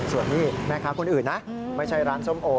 ส่วนนี้แม่ค้าคนอื่นนะไม่ใช่ร้านส้มโอ